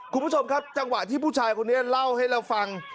คุณผู้ชมครับจังหวะที่ผู้ชายคนนี้เล่าให้เราฟัง